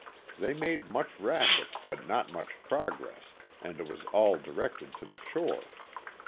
They made much racket but not much progress, and it was all directed to the shore.